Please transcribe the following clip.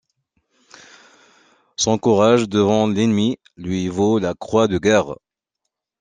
Son courage devant l'ennemi lui vaut la croix de guerre.